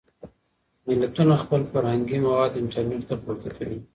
ملتونه خپل فرهنګي مواد انټرنټ ته پورته کوي.